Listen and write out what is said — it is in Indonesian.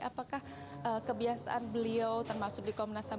apakah kebiasaan beliau termasuk di komnas ham